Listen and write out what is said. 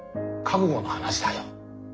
覚悟の話だよ。